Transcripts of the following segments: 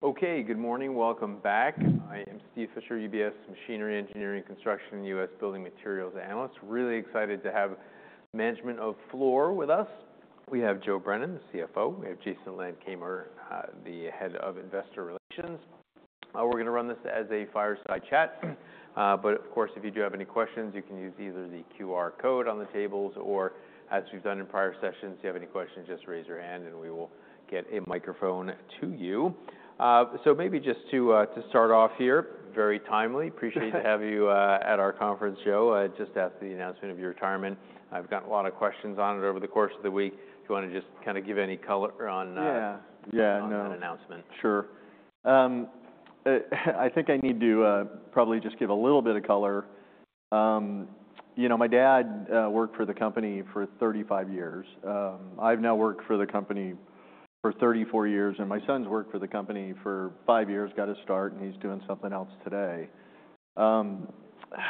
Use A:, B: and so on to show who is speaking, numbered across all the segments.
A: Okay, good morning. Welcome back. I am Steve Fisher, UBS Machinery Engineering and Construction US Building Materials Analyst. Really excited to have management of Fluor with us. We have Joe Brennan, the CFO. We have Jason Landkamer, the head of investor relations. We're going to run this as a fireside chat. But of course, if you do have any questions, you can use either the QR code on the tables or, as we've done in prior sessions, if you have any questions, just raise your hand and we will get a microphone to you. So maybe just to start off here, very timely. Appreciate to have you at our conference, Joe. Just after the announcement of your retirement, I've got a lot of questions on it over the course of the week. Do you want to just kind of give any color on that announcement?
B: Yeah, sure. I think I need to probably just give a little bit of color. You know, my dad worked for the company for 35 years. I've now worked for the company for 34 years, and my son's worked for the company for five years, got his start, and he's doing something else today.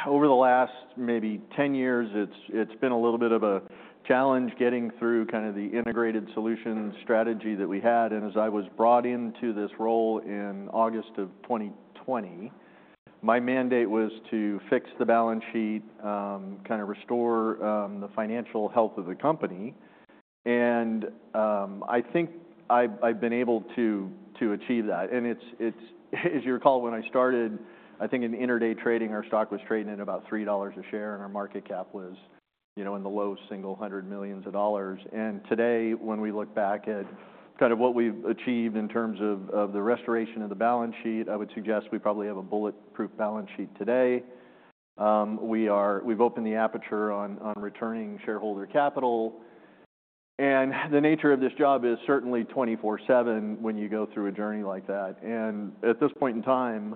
B: Over the last maybe 10 years, it's been a little bit of a challenge getting through kind of the integrated solution strategy that we had. And as I was brought into this role in August of 2020, my mandate was to fix the balance sheet, kind of restore the financial health of the company. And I think I've been able to achieve that. And as you recall, when I started, I think in intraday trading, our stock was trading at about $3 a share, and our market cap was in the low single hundred millions of dollars. And today, when we look back at kind of what we've achieved in terms of the restoration of the balance sheet, I would suggest we probably have a bulletproof balance sheet today. We've opened the aperture on returning shareholder capital. And the nature of this job is certainly 24/7 when you go through a journey like that. And at this point in time,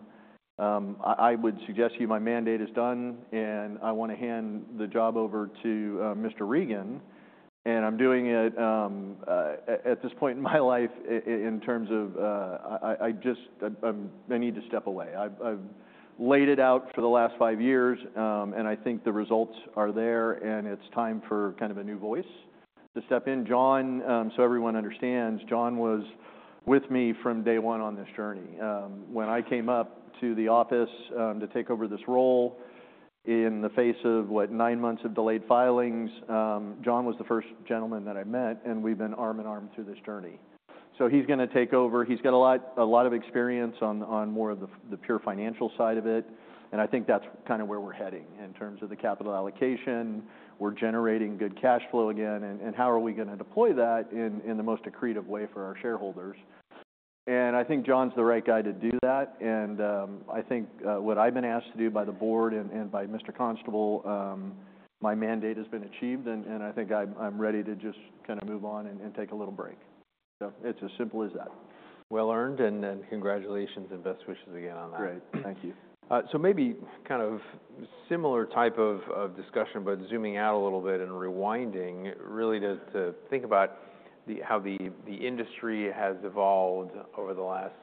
B: I would suggest to you my mandate is done, and I want to hand the job over to Mr. Reynolds. And I'm doing it at this point in my life in terms of I need to step away. I've laid it out for the last five years, and I think the results are there, and it's time for kind of a new voice to step in. John, so everyone understands, John was with me from day one on this journey. When I came up to the office to take over this role in the face of, what, nine months of delayed filings, John was the first gentleman that I met, and we've been arm in arm through this journey. So he's going to take over. He's got a lot of experience on more of the pure financial side of it. And I think that's kind of where we're heading in terms of the capital allocation. We're generating good cash flow again. And how are we going to deploy that in the most accretive way for our shareholders? And I think John's the right guy to do that. I think what I've been asked to do by the board and by Mr. Constable, my mandate has been achieved, and I think I'm ready to just kind of move on and take a little break. It's as simple as that.
A: Well earned, and congratulations and best wishes again on that.
B: Great. Thank you.
A: So maybe kind of similar type of discussion, but zooming out a little bit and rewinding, really to think about how the industry has evolved over the last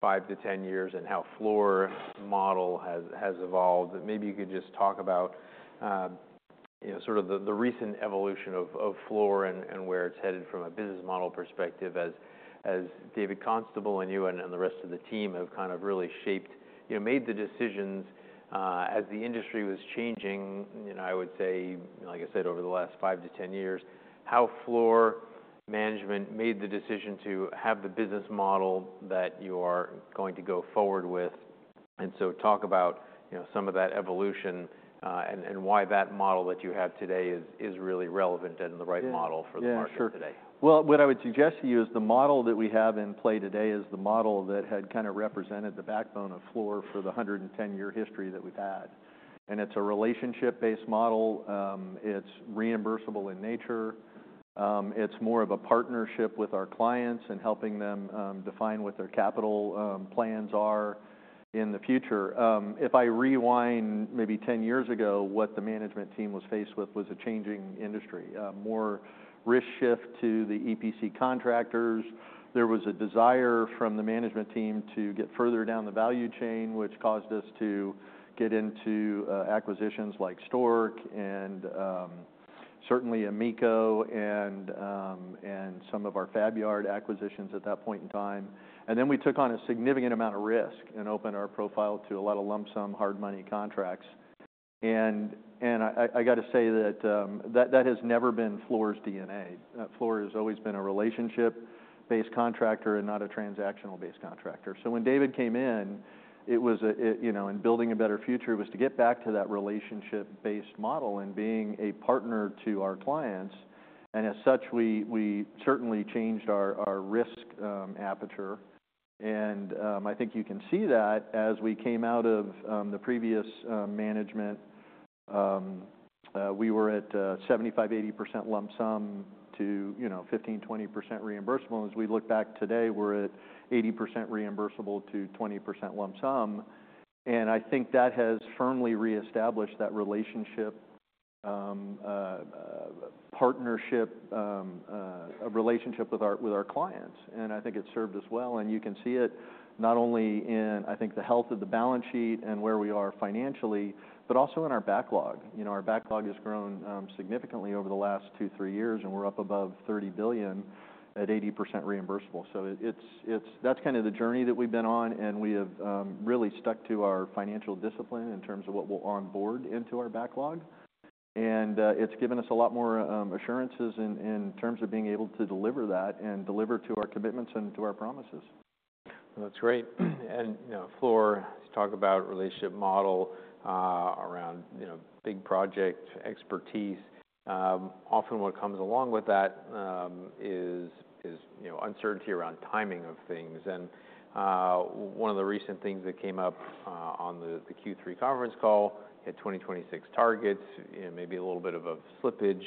A: five to 10 years and how Fluor model has evolved. Maybe you could just talk about sort of the recent evolution of Fluor and where it's headed from a business model perspective as David Constable and you and the rest of the team have kind of really shaped, made the decisions as the industry was changing, I would say, like I said, over the last five to 10 years, how Fluor management made the decision to have the business model that you are going to go forward with, and so talk about some of that evolution and why that model that you have today is really relevant and the right model for the market today.
B: Yeah, sure. Well, what I would suggest to you is the model that we have in play today is the model that had kind of represented the backbone of Fluor for the 110-year history that we've had, and it's a relationship-based model. It's reimbursable in nature. It's more of a partnership with our clients and helping them define what their capital plans are in the future. If I rewind maybe 10 years ago, what the management team was faced with was a changing industry, more risk shift to the EPC contractors. There was a desire from the management team to get further down the value chain, which caused us to get into acquisitions like Stork and certainly AMECO and some of our Fab Yard acquisitions at that point in time. And then we took on a significant amount of risk and opened our profile to a lot of lump sum hard money contracts. And I got to say that that has never been Fluor's DNA. Fluor has always been a relationship-based contractor and not a transactional-based contractor. So when David came in, it was in building a better future, it was to get back to that relationship-based model and being a partner to our clients. And as such, we certainly changed our risk appetite. And I think you can see that as we came out of the previous management, we were at 75%-80% lump sum to 15%-20% reimbursable. And as we look back today, we're at 80% reimbursable to 20% lump sum. And I think that has firmly reestablished that relationship partnership, a relationship with our clients. And I think it's served us well. You can see it not only in, I think, the health of the balance sheet and where we are financially, but also in our backlog. Our backlog has grown significantly over the last two, three years, and we're up above $30 billion at 80% reimbursable. That's kind of the journey that we've been on, and we have really stuck to our financial discipline in terms of what we'll onboard into our backlog. It's given us a lot more assurances in terms of being able to deliver that and deliver to our commitments and to our promises.
A: That's great. And Fluor, you talk about relationship model around big project expertise. Often what comes along with that is uncertainty around timing of things. And one of the recent things that came up on the Q3 conference call, you had 2026 targets, maybe a little bit of a slippage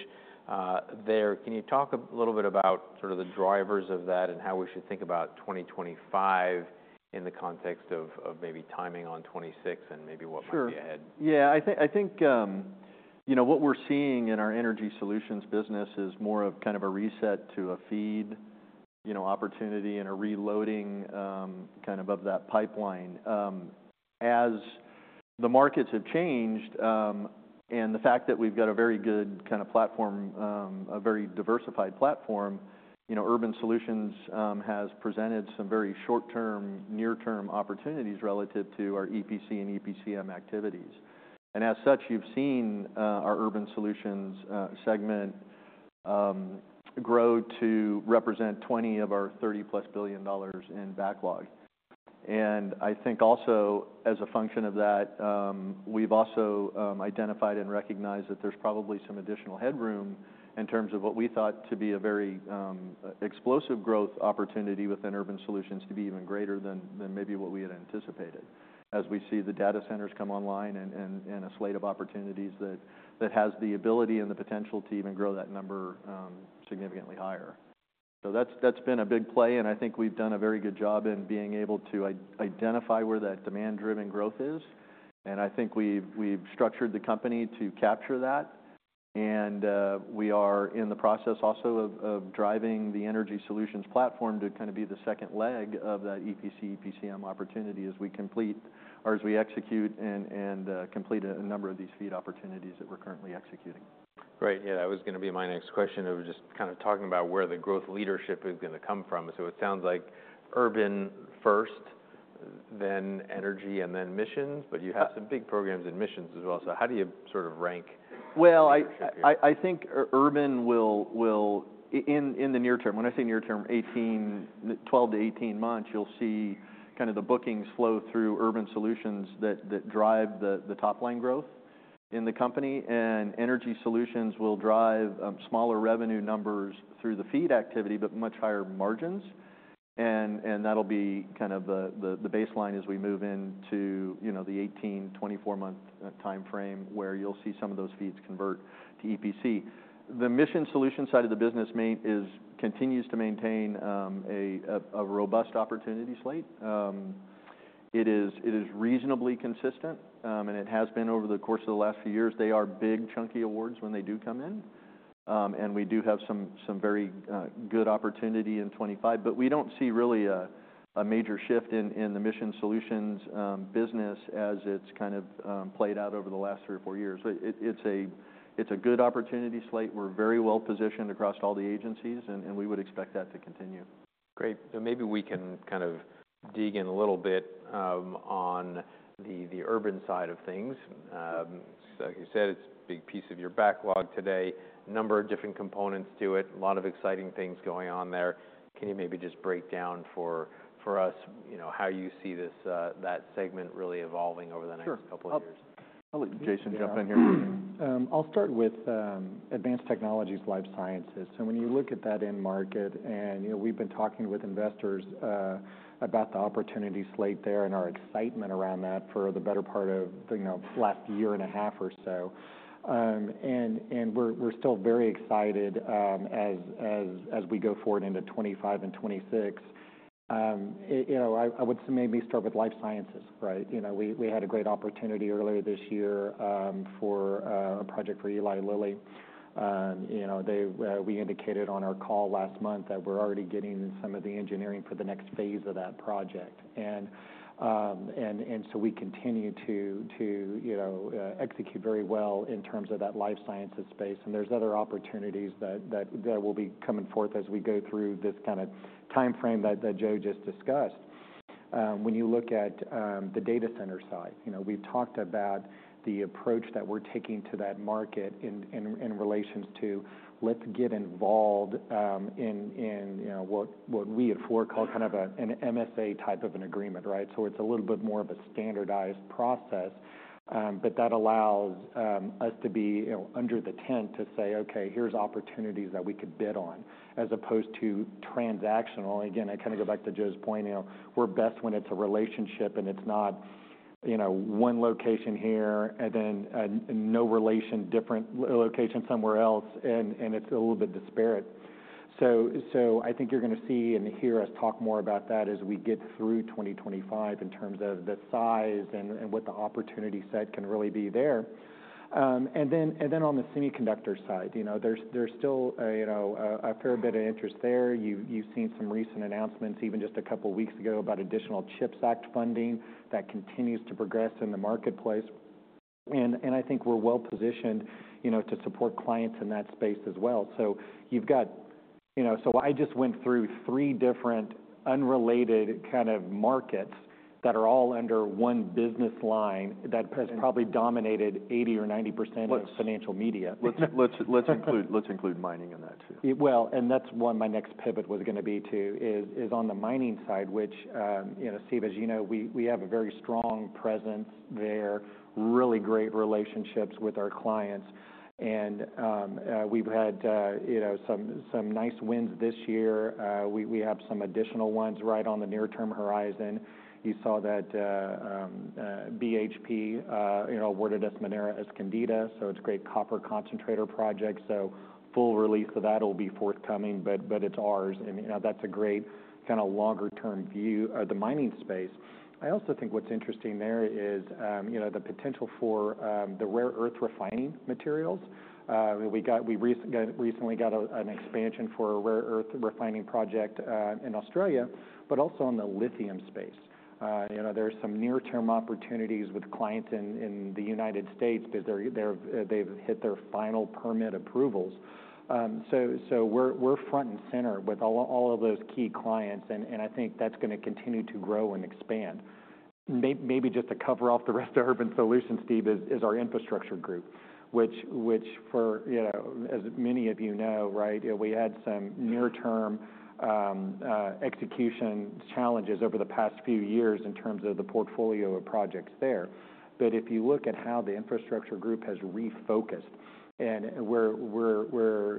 A: there. Can you talk a little bit about sort of the drivers of that and how we should think about 2025 in the context of maybe timing on '26 and maybe what might be ahead?
B: Sure. Yeah, I think what we're seeing in our Energy Solutions business is more of kind of a reset to a FEED opportunity and a reloading kind of that pipeline. As the markets have changed and the fact that we've got a very good kind of platform, a very diversified platform, Urban Solutions has presented some very short-term, near-term opportunities relative to our EPC and EPCM activities. As such, you've seen our Urban Solutions segment grow to represent 20% of our $30-plus billion in backlog. And I think also as a function of that, we've also identified and recognized that there's probably some additional headroom in terms of what we thought to be a very explosive growth opportunity within Urban Solutions to be even greater than maybe what we had anticipated as we see the data centers come online and a slate of opportunities that has the ability and the potential to even grow that number significantly higher. So that's been a big play. And I think we've done a very good job in being able to identify where that demand-driven growth is. And I think we've structured the company to capture that. We are in the process also of driving the Energy Solutions platform to kind of be the second leg of that EPC, EPCM opportunity as we complete or as we execute and complete a number of these FEED opportunities that we're currently executing.
A: Great. Yeah, that was going to be my next question of just kind of talking about where the growth leadership is going to come from. So it sounds like Urban first, then energy, and then missions, but you have some big programs and missions as well. So how do you sort of rank?
B: I think Urban Solutions, in the near term, when I say near term, 12-18 months, you'll see kind of the bookings flow through Urban Solutions that drive the top-line growth in the company. Energy Solutions will drive smaller revenue numbers through the feed activity, but much higher margins. That'll be kind of the baseline as we move into the 18-24-month timeframe where you'll see some of those feeds convert to EPC. The Mission Solutions side of the business continues to maintain a robust opportunity slate. It is reasonably consistent, and it has been over the course of the last few years. They are big, chunky awards when they do come in. And we do have some very good opportunity in 2025, but we don't see really a major shift in the Mission Solutions business as it's kind of played out over the last three or four years. It's a good opportunity slate. We're very well positioned across all the agencies, and we would expect that to continue.
A: Great. So maybe we can kind of dig in a little bit on the urban side of things. Like you said, it's a big piece of your backlog today, a number of different components to it, a lot of exciting things going on there. Can you maybe just break down for us how you see that segment really evolving over the next couple of years?
B: Sure. I'll let Jason jump in here. I'll start with advanced technologies, life sciences. So when you look at that end market, and we've been talking with investors about the opportunity slate there and our excitement around that for the better part of the last year and a half or so. And we're still very excited as we go forward into 2025 and 2026. I would say maybe start with life sciences, right? We had a great opportunity earlier this year for a project for Eli Lilly. We indicated on our call last month that we're already getting some of the engineering for the next phase of that project. And so we continue to execute very well in terms of that life sciences space. And there's other opportunities that will be coming forth as we go through this kind of timeframe that Joe just discussed. When you look at the data center side, we've talked about the approach that we're taking to that market in relation to, let's get involved in what we at Fluor call kind of an MSA type of an agreement, right? So it's a little bit more of a standardized process, but that allows us to be under the tent to say, "Okay, here's opportunities that we could bid on," as opposed to transactional. Again, I kind of go back to Joe's point. We're best when it's a relationship and it's not one location here and then no relation, different location somewhere else, and it's a little bit disparate. So I think you're going to see and hear us talk more about that as we get through 2025 in terms of the size and what the opportunity set can really be there. And then on the semiconductor side, there's still a fair bit of interest there. You've seen some recent announcements, even just a couple of weeks ago, about additional CHIPS Act funding that continues to progress in the marketplace. And I think we're well positioned to support clients in that space as well. So I just went through three different unrelated kind of markets that are all under one business line that has probably dominated 80% or 90% of financial media.
A: Let's include mining in that too.
B: That's what my next pivot was going to be, is on the mining side, which, Steve, as you know, we have a very strong presence there, really great relationships with our clients. We've had some nice wins this year. We have some additional ones right on the near-term horizon. You saw that BHP awarded us Minera Escondida. It's a great copper concentrator project. Full release of that will be forthcoming, but it's ours. That's a great kind of longer-term view of the mining space. I also think what's interesting there is the potential for the rare earth refining materials. We recently got an expansion for a rare earth refining project in Australia, but also in the lithium space. There are some near-term opportunities with clients in the United States because they've hit their final permit approvals. So we're front and center with all of those key clients, and I think that's going to continue to grow and expand. Maybe just to cover off the rest of Urban Solutions, Steve, is our infrastructure group, which, as many of you know, right, we had some near-term execution challenges over the past few years in terms of the portfolio of projects there. But if you look at how the infrastructure group has refocused and we're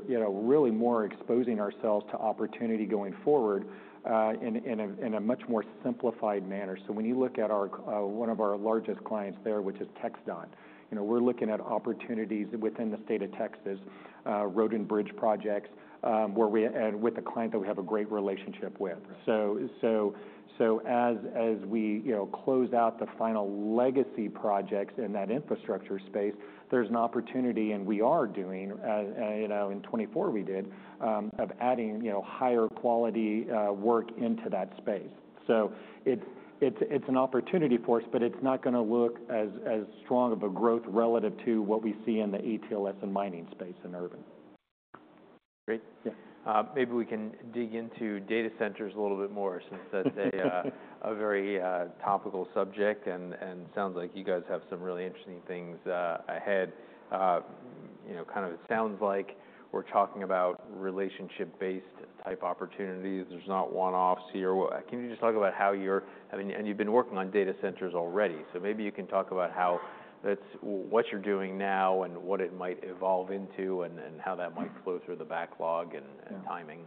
B: really more exposing ourselves to opportunity going forward in a much more simplified manner. So when you look at one of our largest clients there, which is TxDOT, we're looking at opportunities within the state of Texas, road and bridge projects, and with a client that we have a great relationship with. So as we close out the final legacy projects in that infrastructure space, there's an opportunity, and we are doing, in 2024 we did, of adding higher quality work into that space. So it's an opportunity for us, but it's not going to look as strong of a growth relative to what we see in the ATLS and mining space in Urban.
A: Great. Maybe we can dig into data centers a little bit more since that's a very topical subject, and it sounds like you guys have some really interesting things ahead. Kind of it sounds like we're talking about relationship-based type opportunities. There's not one-offs here. Can you just talk about how you're, and you've been working on data centers already. So maybe you can talk about what you're doing now and what it might evolve into and how that might flow through the backlog and timing.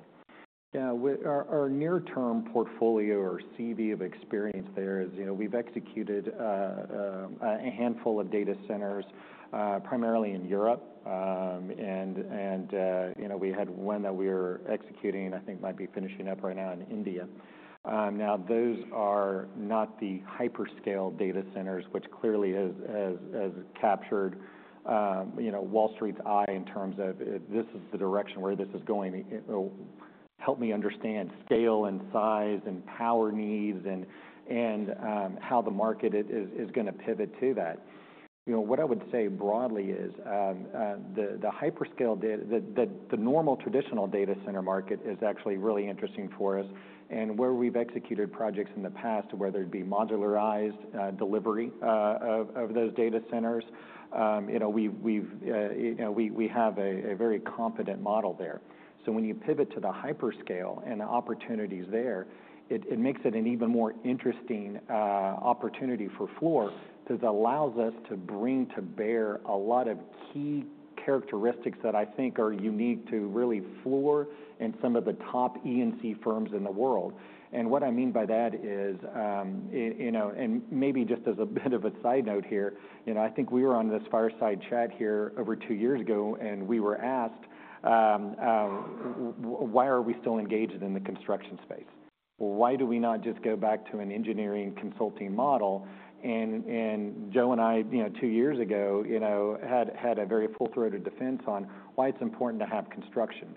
B: Yeah. Our near-term portfolio or CV of experience there is we've executed a handful of data centers primarily in Europe, and we had one that we are executing, I think might be finishing up right now in India. Now, those are not the hyperscale data centers, which clearly has captured Wall Street's eye in terms of this is the direction where this is going. Help me understand scale and size and power needs and how the market is going to pivot to that. What I would say broadly is the hyperscale, the normal traditional data center market is actually really interesting for us, and where we've executed projects in the past, whether it be modularized delivery of those data centers, we have a very competent model there. When you pivot to the hyperscale and the opportunities there, it makes it an even more interesting opportunity for Fluor because it allows us to bring to bear a lot of key characteristics that I think are unique to really Fluor and some of the top EPC firms in the world. And what I mean by that is, and maybe just as a bit of a side note here, I think we were on this fireside chat here over two years ago, and we were asked, "Why are we still engaged in the construction space? Why do we not just go back to an engineering consulting model?" And Joe and I, two years ago, had a very full-throated defense on why it's important to have construction.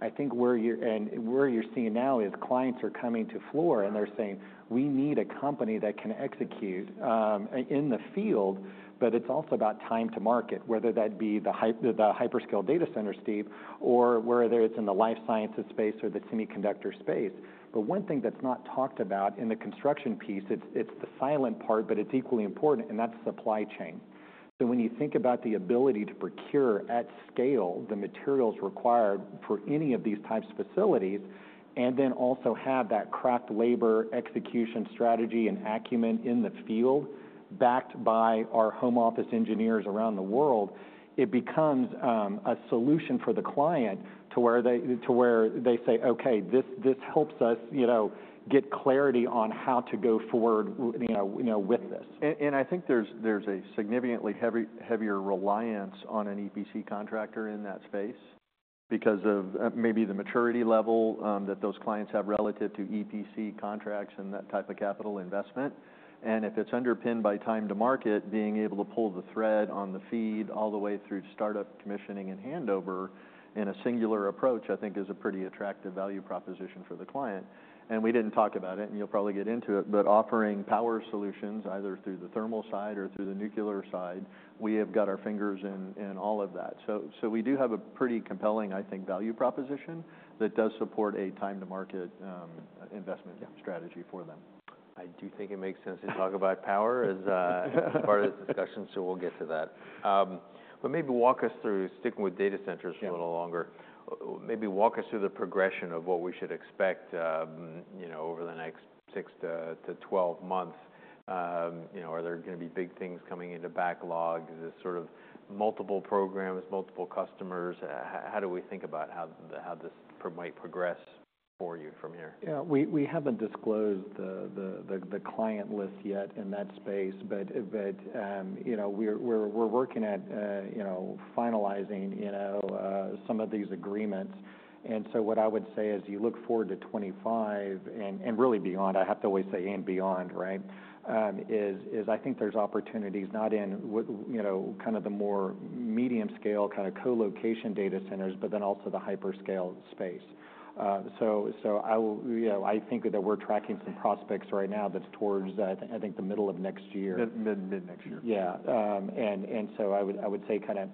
B: I think where you're seeing now is clients are coming to Fluor and they're saying, "We need a company that can execute in the field, but it's also about time to market, whether that be the hyperscale data center, Steve, or whether it's in the life sciences space or the semiconductor space." But one thing that's not talked about in the construction piece, it's the silent part, but it's equally important, and that's supply chain. So when you think about the ability to procure at scale the materials required for any of these types of facilities, and then also have that craft labor execution strategy and acumen in the field backed by our home office engineers around the world, it becomes a solution for the client to where they say, "Okay, this helps us get clarity on how to go forward with this.
A: And I think there's a significantly heavier reliance on an EPC contractor in that space because of maybe the maturity level that those clients have relative to EPC contracts and that type of capital investment. And if it's underpinned by time to market, being able to pull the thread on the FEED all the way through startup commissioning and handover in a singular approach, I think is a pretty attractive value proposition for the client. And we didn't talk about it, and you'll probably get into it, but offering power solutions either through the thermal side or through the nuclear side, we have got our fingers in all of that. So we do have a pretty compelling, I think, value proposition that does support a time-to-market investment strategy for them. I do think it makes sense to talk about power as part of this discussion, so we'll get to that. But maybe walk us through, sticking with data centers a little longer, maybe walk us through the progression of what we should expect over the next six to 12 months. Are there going to be big things coming into backlog? Is this sort of multiple programs, multiple customers? How do we think about how this might progress for you from here?
B: Yeah. We haven't disclosed the client list yet in that space, but we're working at finalizing some of these agreements. And so what I would say as you look forward to 2025 and really beyond, I have to always say and beyond, right, is I think there's opportunities not in kind of the more medium-scale kind of co-location data centers, but then also the hyperscale space. So I think that we're tracking some prospects right now that's towards, I think, the middle of next year.
A: Mid next year.
C: Yeah, and so I would say kind of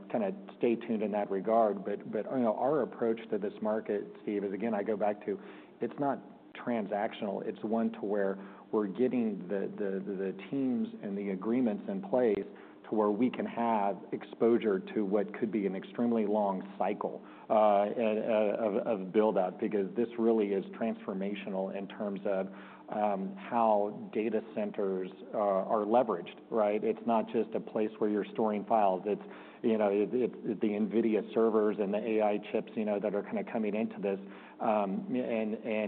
C: stay tuned in that regard, but our approach to this market, Steve, is again, I go back to it's not transactional. It's one to where we're getting the teams and the agreements in place to where we can have exposure to what could be an extremely long cycle of build-out because this really is transformational in terms of how data centers are leveraged, right? It's not just a place where you're storing files. It's the NVIDIA servers and the AI chips that are kind of coming into this, and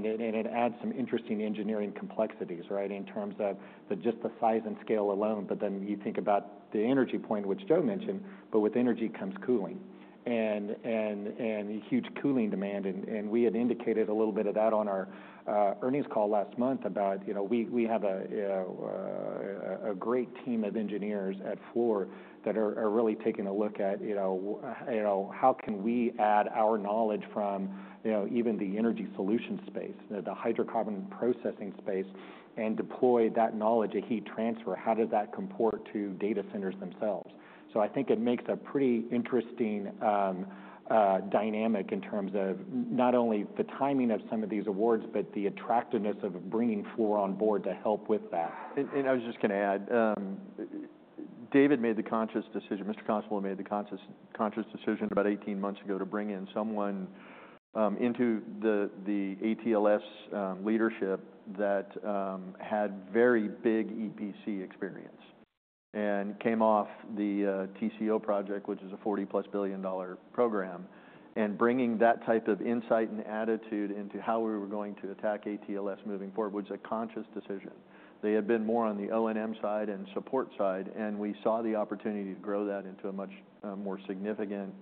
C: it adds some interesting engineering complexities, right, in terms of just the size and scale alone, but then you think about the energy point, which Joe mentioned, but with energy comes cooling and huge cooling demand. We had indicated a little bit of that on our earnings call last month about we have a great team of engineers at Fluor that are really taking a look at how can we add our knowledge from even the energy solution space, the hydrocarbon processing space, and deploy that knowledge of heat transfer. How does that comport to data centers themselves? So I think it makes a pretty interesting dynamic in terms of not only the timing of some of these awards, but the attractiveness of bringing Fluor on board to help with that.
A: I was just going to add. David made the conscious decision. Mr. Constable made the conscious decision about 18 months ago to bring in someone into the ATLS leadership that had very big EPC experience and came off the TCO project, which is a $40-plus billion program. Bringing that type of insight and attitude into how we were going to attack ATLS moving forward was a conscious decision. They had been more on the O&M side and support side, and we saw the opportunity to grow that into a much more significant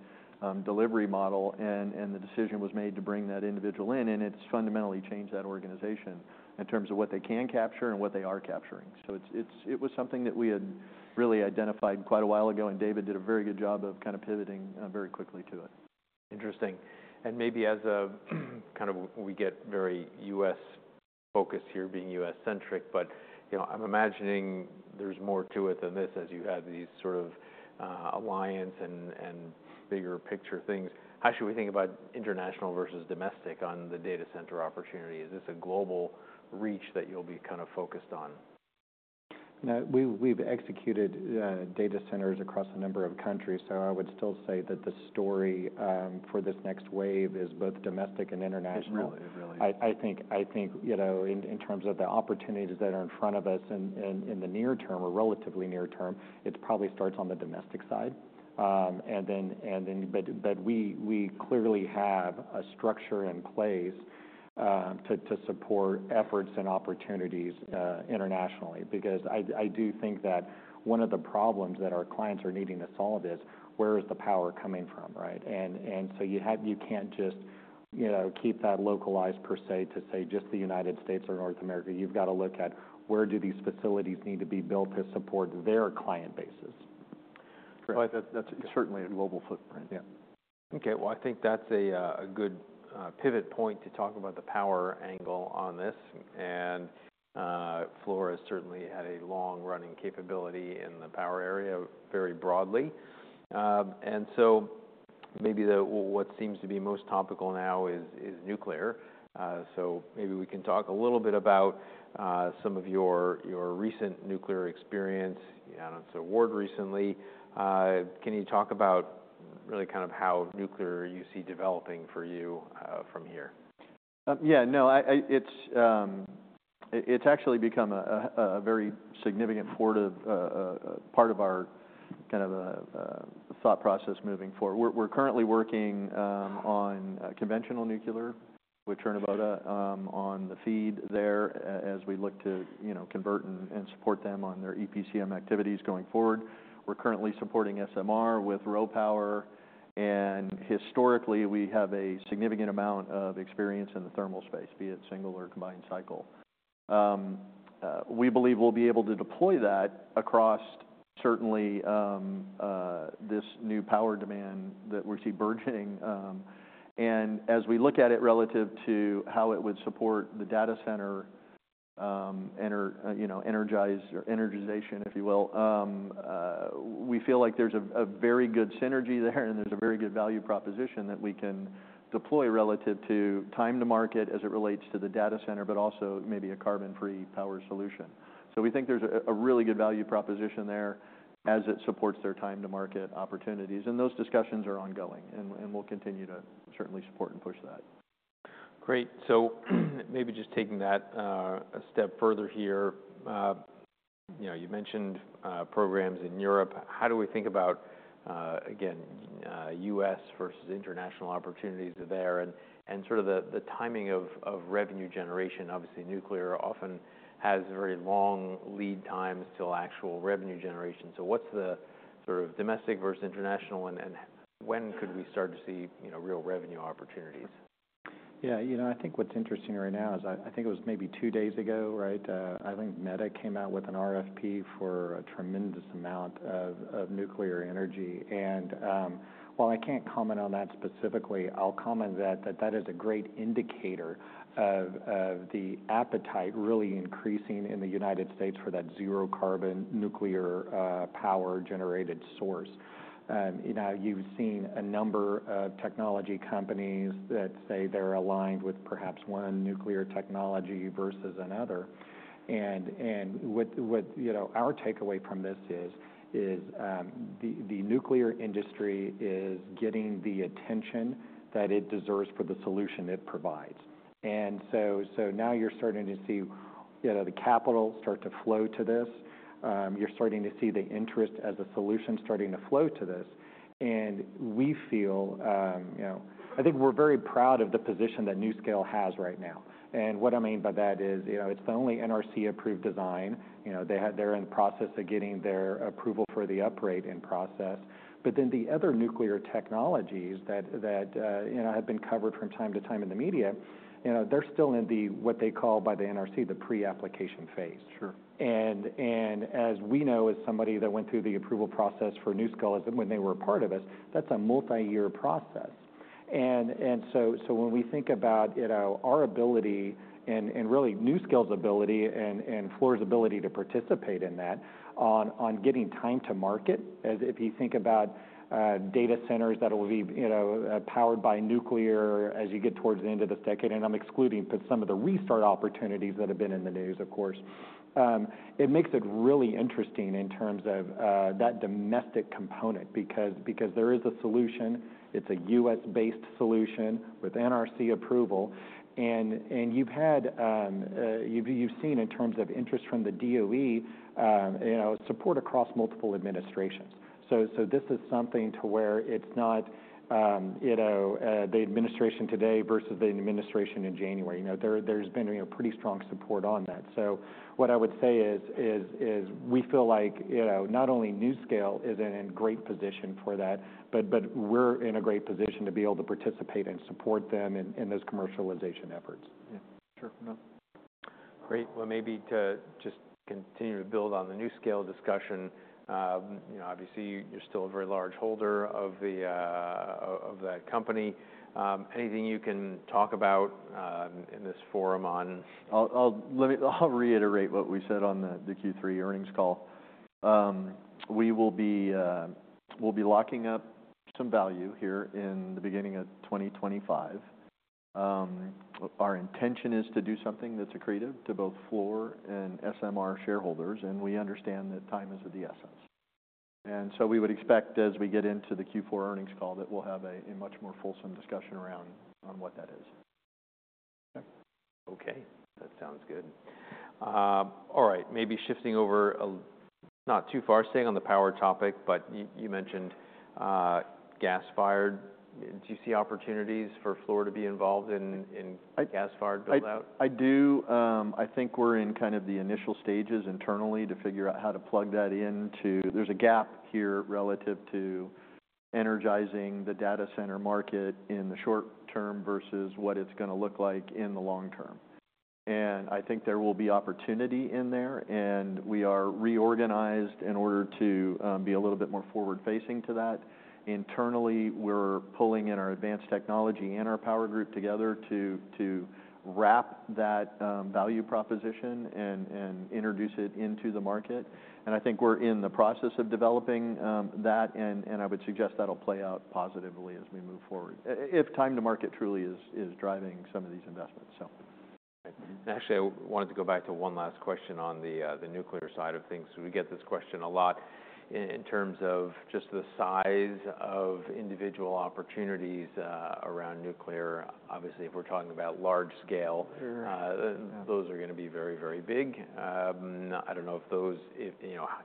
A: delivery model. The decision was made to bring that individual in, and it's fundamentally changed that organization in terms of what they can capture and what they are capturing. It was something that we had really identified quite a while ago, and David did a very good job of kind of pivoting very quickly to it. Interesting. Maybe, as we kind of get very U.S.-focused here, being U.S.-centric, but I'm imagining there's more to it than this as you have these sort of alliance and bigger picture things. How should we think about international versus domestic on the data center opportunity? Is this a global reach that you'll be kind of focused on?
B: We've executed data centers across a number of countries, so I would still say that the story for this next wave is both domestic and international.
A: It's really, really.
B: I think in terms of the opportunities that are in front of us in the near term or relatively near term, it probably starts on the domestic side. But we clearly have a structure in place to support efforts and opportunities internationally because I do think that one of the problems that our clients are needing to solve is where is the power coming from, right? And so you can't just keep that localized per se to say just the United States or North America. You've got to look at where do these facilities need to be built to support their client bases.
A: That's certainly a global footprint.
B: Yeah.
A: Okay. Well, I think that's a good pivot point to talk about the power angle on this. And Fluor has certainly had a long-running capability in the power area very broadly. And so maybe what seems to be most topical now is nuclear. So maybe we can talk a little bit about some of your recent nuclear experience. You announced an award recently. Can you talk about really kind of how nuclear you see developing for you from here?
B: Yeah. No, it's actually become a very significant part of our kind of thought process moving forward. We're currently working on conventional nuclear with Cernavoda on the feed there as we look to convert and support them on their EPCM activities going forward. We're currently supporting SMR with RoPower. And historically, we have a significant amount of experience in the thermal space, be it single or combined cycle. We believe we'll be able to deploy that across certainly this new power demand that we see burgeoning. And as we look at it relative to how it would support the data center energization, if you will, we feel like there's a very good synergy there and there's a very good value proposition that we can deploy relative to time to market as it relates to the data center, but also maybe a carbon-free power solution. So we think there's a really good value proposition there as it supports their time to market opportunities. And those discussions are ongoing, and we'll continue to certainly support and push that.
A: Great. So maybe just taking that a step further here, you mentioned programs in Europe. How do we think about, again, U.S. versus international opportunities there? And sort of the timing of revenue generation, obviously nuclear often has very long lead times to actual revenue generation. So what's the sort of domestic versus international, and when could we start to see real revenue opportunities?
B: Yeah. I think what's interesting right now is I think it was maybe two days ago, right? I think Meta came out with an RFP for a tremendous amount of nuclear energy. And while I can't comment on that specifically, I'll comment that that is a great indicator of the appetite really increasing in the United States for that zero-carbon nuclear power-generated source. Now, you've seen a number of technology companies that say they're aligned with perhaps one nuclear technology versus another. And our takeaway from this is the nuclear industry is getting the attention that it deserves for the solution it provides. And so now you're starting to see the capital start to flow to this. You're starting to see the interest as a solution starting to flow to this. And we feel I think we're very proud of the position that NuScale has right now. What I mean by that is it's the only NRC-approved design. They're in the process of getting their approval for the upgrade in process. Then the other nuclear technologies that have been covered from time to time in the media, they're still in the, what they call by the NRC, the pre-application phase. As we know, as somebody that went through the approval process for NuScale when they were a part of us, that's a multi-year process. And so when we think about our ability and really NuScale's ability and Fluor's ability to participate in that on getting time to market, as if you think about data centers that will be powered by nuclear as you get towards the end of this decade, and I'm excluding some of the restart opportunities that have been in the news, of course, it makes it really interesting in terms of that domestic component because there is a solution. It's a U.S.-based solution with NRC approval. And you've seen in terms of interest from the DOE support across multiple administrations. So this is something to where it's not the administration today versus the administration in January. There's been pretty strong support on that. So what I would say is we feel like not only NuScale is in a great position for that, but we're in a great position to be able to participate and support them in those commercialization efforts.
A: Sure. Great. Well, maybe to just continue to build on the NuScale discussion, obviously you're still a very large holder of that company. Anything you can talk about in this forum on?
B: I'll reiterate what we said on the Q3 earnings call. We will be locking up some value here in the beginning of 2025. Our intention is to do something that's accretive to both Fluor and SMR shareholders, and we understand that time is of the essence. And so we would expect as we get into the Q4 earnings call that we'll have a much more fulsome discussion around what that is.
A: Okay. That sounds good. All right. Maybe shifting over not too far, staying on the power topic, but you mentioned gas-fired. Do you see opportunities for Fluor to be involved in gas-fired build-out?
B: I do. I think we're in kind of the initial stages internally to figure out how to plug that into. There's a gap here relative to energizing the data center market in the short term versus what it's going to look like in the long term, and I think there will be opportunity in there, and we are reorganized in order to be a little bit more forward-facing to that. Internally, we're pulling in our advanced technology and our power group together to wrap that value proposition and introduce it into the market. And I think we're in the process of developing that, and I would suggest that'll play out positively as we move forward if time to market truly is driving some of these investments, so.
A: Actually, I wanted to go back to one last question on the nuclear side of things. We get this question a lot in terms of just the size of individual opportunities around nuclear. Obviously, if we're talking about large scale, those are going to be very, very big. I don't know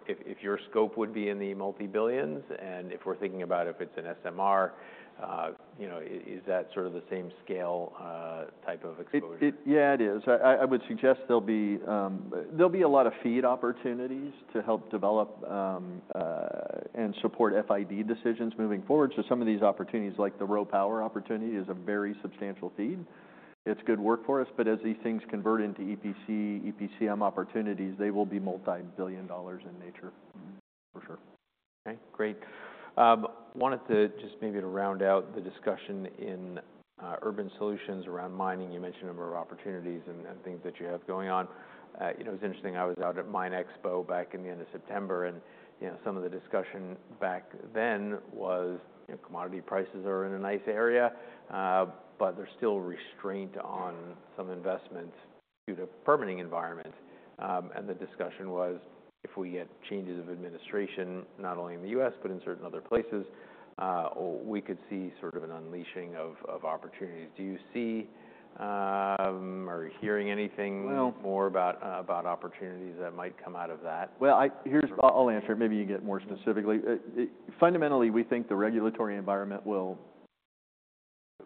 A: if your scope would be in the multi-billions, and if we're thinking about if it's an SMR, is that sort of the same scale type of exposure?
B: Yeah, it is. I would suggest there'll be a lot of FEED opportunities to help develop and support FID decisions moving forward. So some of these opportunities, like the RoPower opportunity, is a very substantial FEED. It's good work for us. But as these things convert into EPC, EPCM opportunities, they will be multi-billion dollars in nature, for sure.
A: Okay. Great. Wanted to just maybe round out the discussion in Urban Solutions around mining. You mentioned a number of opportunities and things that you have going on. It was interesting. I was out at Mine Expo back in the end of September, and some of the discussion back then was commodity prices are in a nice area, but there's still restraint on some investments due to the permitting environment. And the discussion was if we get changes of administration, not only in the U.S., but in certain other places, we could see sort of an unleashing of opportunities. Do you see or hear anything more about opportunities that might come out of that?
B: I'll answer it. Maybe we'll get more specific. Fundamentally, we think the regulatory environment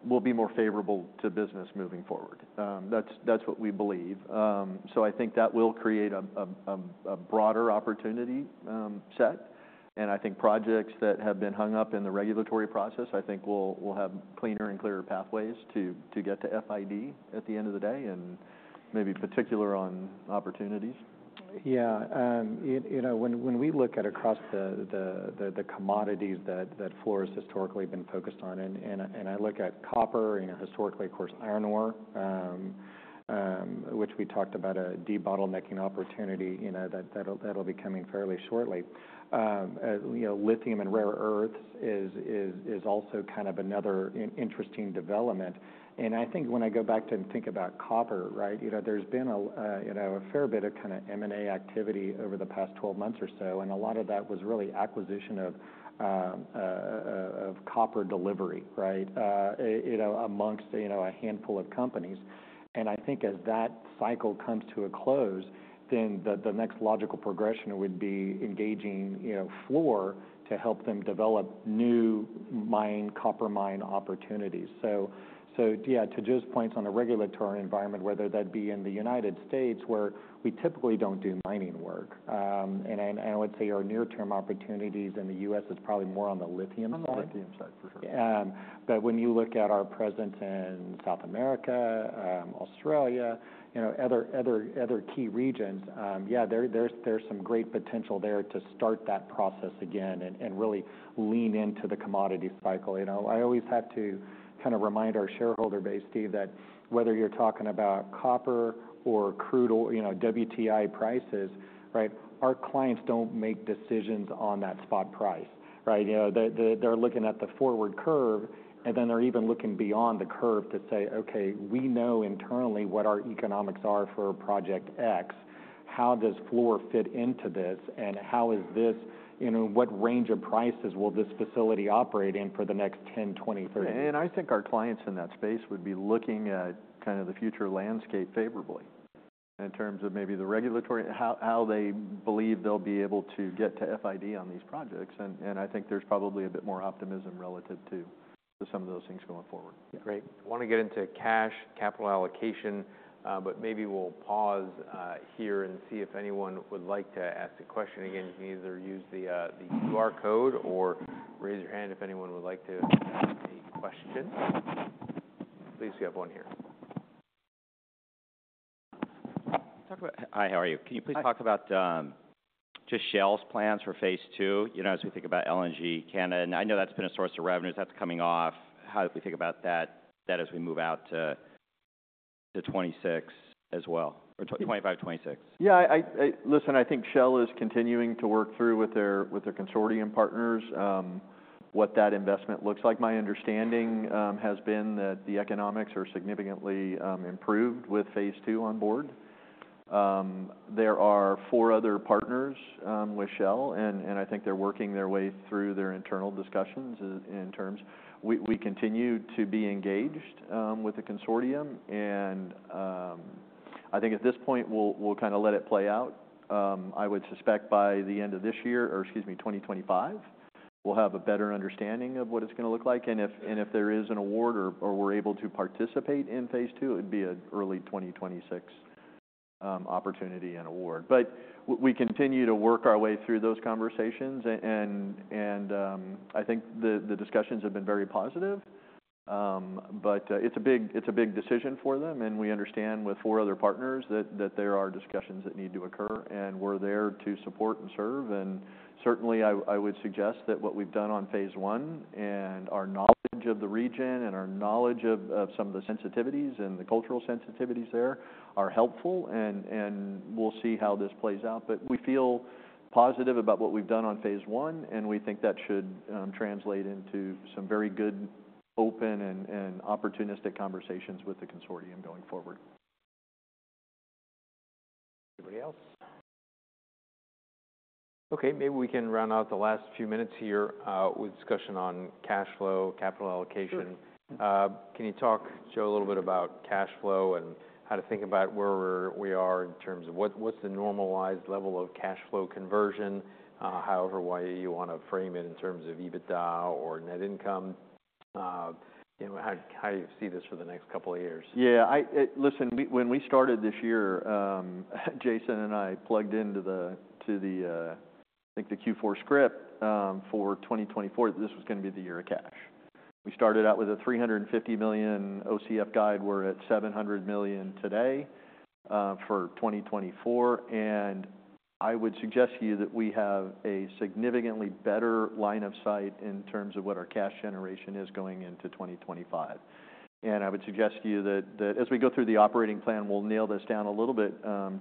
B: will be more favorable to business moving forward. That's what we believe. So I think that will create a broader opportunity set. And I think projects that have been hung up in the regulatory process, I think we'll have cleaner and clearer pathways to get to FID at the end of the day and maybe particularly on opportunities. Yeah. When we look across the commodities that Fluor has historically been focused on, and I look at copper, historically, of course, iron ore, which we talked about a debottlenecking opportunity that'll be coming fairly shortly. Lithium and rare earths is also kind of another interesting development. And I think when I go back to think about copper, right, there's been a fair bit of kind of M&A activity over the past 12 months or so. A lot of that was really acquisition of copper delivery, right, among a handful of companies. I think as that cycle comes to a close, then the next logical progression would be engaging Fluor to help them develop new copper mine opportunities. Yeah, to Joe's points on the regulatory environment, whether that be in the United States, where we typically don't do mining work. I would say our near-term opportunities in the U.S. is probably more on the lithium side.
A: On the lithium side, for sure.
B: But when you look at our presence in South America, Australia, other key regions, yeah, there's some great potential there to start that process again and really lean into the commodity cycle. I always have to kind of remind our shareholder base, Steve, that whether you're talking about copper or crude or WTI prices, right, our clients don't make decisions on that spot price, right? They're looking at the forward curve, and then they're even looking beyond the curve to say, "Okay, we know internally what our economics are for project X. How does Fluor fit into this? And how is this? What range of prices will this facility operate in for the next 10, 20, 30 years?" And I think our clients in that space would be looking at kind of the future landscape favorably in terms of maybe the regulatory, how they believe they'll be able to get to FID on these projects. And I think there's probably a bit more optimism relative to some of those things going forward.
A: Great. I want to get into cash, capital allocation, but maybe we'll pause here and see if anyone would like to ask a question. Again, you can either use the QR code or raise your hand if anyone would like to ask a question. Please get up on here.
D: Hi, how are you? Can you please talk about just Shell's plans for phase two as we think about LNG Canada? And I know that's been a source of revenues. That's coming off. How do we think about that as we move out to 2026 as well, or 2025, 2026?
B: Yeah. Listen, I think Shell is continuing to work through with their consortium partners what that investment looks like. My understanding has been that the economics are significantly improved with phase two on board. There are four other partners with Shell, and I think they're working their way through their internal discussions in terms we continue to be engaged with the consortium. And I think at this point, we'll kind of let it play out. I would suspect by the end of this year, or excuse me, 2025, we'll have a better understanding of what it's going to look like. And if there is an award or we're able to participate in phase two, it'd be an early 2026 opportunity and award. But we continue to work our way through those conversations. And I think the discussions have been very positive. But it's a big decision for them. And we understand with four other partners that there are discussions that need to occur. And we're there to support and serve. And certainly, I would suggest that what we've done on phase one and our knowledge of the region and our knowledge of some of the sensitivities and the cultural sensitivities there are helpful. And we'll see how this plays out. But we feel positive about what we've done on phase one, and we think that should translate into some very good, open, and opportunistic conversations with the consortium going forward.
A: Anybody else? Okay. Maybe we can round out the last few minutes here with discussion on cash flow, capital allocation. Can you talk, Joe, a little bit about cash flow and how to think about where we are in terms of what's the normalized level of cash flow conversion? However, why you want to frame it in terms of EBITDA or net income? How do you see this for the next couple of years?
B: Yeah. Listen, when we started this year, Jason and I plugged into the, I think, the Q4 script for 2024 that this was going to be the year of cash. We started out with a $350 million OCF guide. We're at $700 million today for 2024. And I would suggest to you that we have a significantly better line of sight in terms of what our cash generation is going into 2025. And I would suggest to you that as we go through the operating plan, we'll nail this down a little bit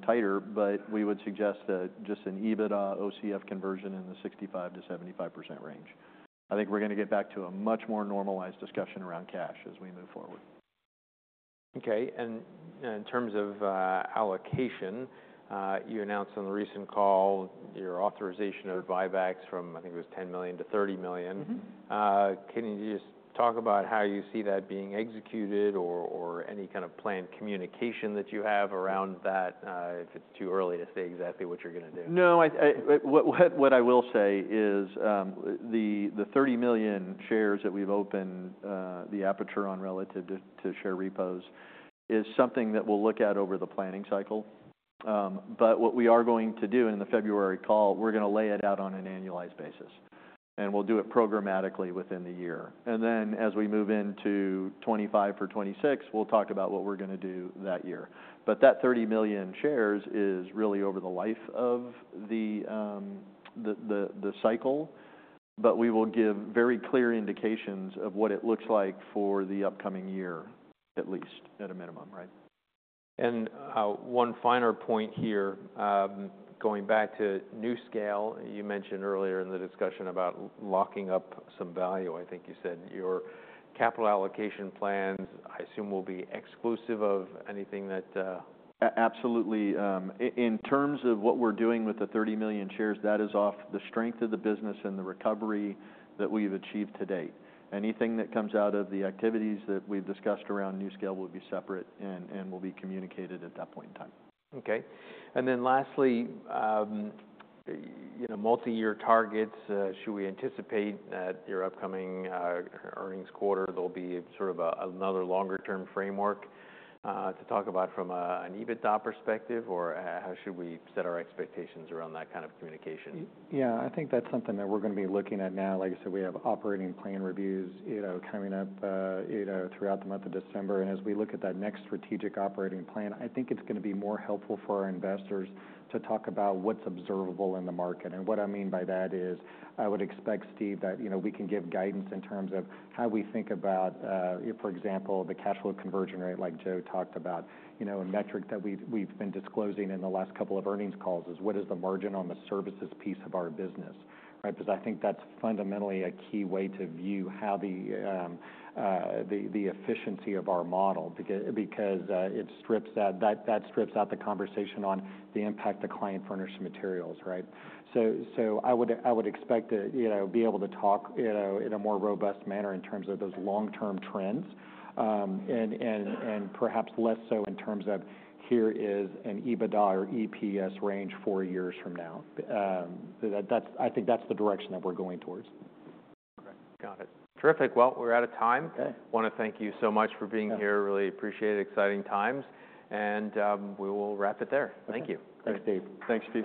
B: tighter, but we would suggest just an EBITDA OCF conversion in the 65% to 75% range. I think we're going to get back to a much more normalized discussion around cash as we move forward.
A: Okay. And in terms of allocation, you announced on the recent call your authorization of buybacks from, I think it was $10 million-$30 million. Can you just talk about how you see that being executed or any kind of planned communication that you have around that if it's too early to say exactly what you're going to do?
B: No. What I will say is the $30 million shares that we've opened the aperture on relative to share repos is something that we'll look at over the planning cycle. But what we are going to do in the February call, we're going to lay it out on an annualized basis. And we'll do it programmatically within the year. And then as we move into 2025 for 2026, we'll talk about what we're going to do that year. But that $30 million shares is really over the life of the cycle. But we will give very clear indications of what it looks like for the upcoming year, at least at a minimum, right?
A: And one finer point here, going back to NuScale, you mentioned earlier in the discussion about locking up some value. I think you said your capital allocation plans, I assume, will be exclusive of anything that.
B: Absolutely. In terms of what we're doing with the $30 million shares, that is off the strength of the business and the recovery that we've achieved to date. Anything that comes out of the activities that we've discussed around NuScale will be separate and will be communicated at that point in time.
A: Okay. And then lastly, multi-year targets, should we anticipate that your upcoming earnings quarter, there'll be sort of another longer-term framework to talk about from an EBITDA perspective, or how should we set our expectations around that kind of communication?
C: Yeah. I think that's something that we're going to be looking at now. Like I said, we have operating plan reviews coming up throughout the month of December. And as we look at that next strategic operating plan, I think it's going to be more helpful for our investors to talk about what's observable in the market. And what I mean by that is I would expect, Steve, that we can give guidance in terms of how we think about, for example, the cash flow conversion rate, like Joe talked about. A metric that we've been disclosing in the last couple of earnings calls is what is the margin on the services piece of our business, right? Because I think that's fundamentally a key way to view the efficiency of our model because it strips out the conversation on the impact of client furnished materials, right? So I would expect to be able to talk in a more robust manner in terms of those long-term trends and perhaps less so in terms of here is an EBITDA or EPS range four years from now. I think that's the direction that we're going towards.
A: Okay. Got it. Terrific. We're out of time. I want to thank you so much for being here. Really appreciate it. Exciting times. We will wrap it there. Thank you.
B: Thanks, Steve.
A: Thanks, Pete.